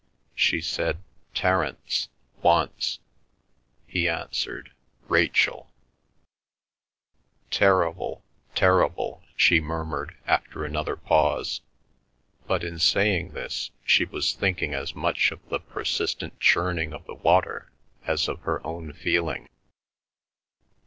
She said "Terence" once; he answered "Rachel." "Terrible—terrible," she murmured after another pause, but in saying this she was thinking as much of the persistent churning of the water as of her own feeling.